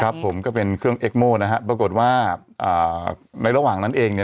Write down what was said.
ผมก็เป็นเครื่องเอ็กโม่นะฮะปรากฏว่าอ่าในระหว่างนั้นเองเนี่ย